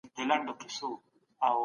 د خوړو د مسمومیت لاملونه ډېر زیات دي.